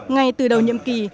ngay từ đầu nhậm kỳ